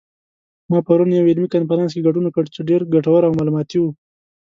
ما پرون یوه علمي کنفرانس کې ګډون وکړ چې ډېر ګټور او معلوماتي و